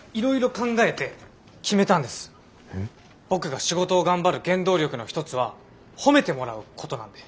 僕が仕事を頑張る原動力の一つは褒めてもらうことなんで。